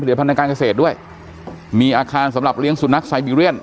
พันธ์การเกษตรด้วยมีอาคารสำหรับเลี้ยงสุนัขไซบีเรียน